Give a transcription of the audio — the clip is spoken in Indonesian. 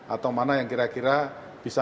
atau mana yang kira kira bisa